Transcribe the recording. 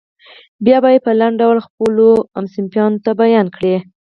بیا یې په لنډ ډول خپلو ټولګیوالو ته بیان کړئ.